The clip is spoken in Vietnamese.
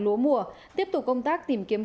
lúa mùa tiếp tục công tác tìm kiếm